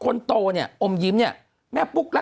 คุณหนุ่มกัญชัยได้เล่าใหญ่ใจความไปสักส่วนใหญ่แล้ว